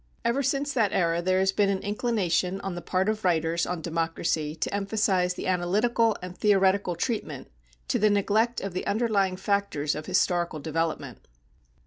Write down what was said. Ever since that era there has been an inclination on the part of writers on democracy to emphasize the analytical and theoretical treatment to the neglect of the underlying factors of historical development.